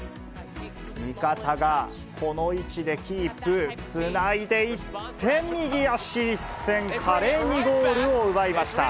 味方がこの位置でキープ、つないでいって右足一せん、華麗にゴールを奪いました。